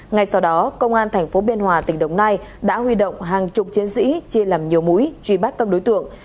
ngay sau đó công an tp biên hòa tỉnh đồng nai đã huy động hàng chục chiến sĩ chia làm nhiều mũi truy bắt các đối tượng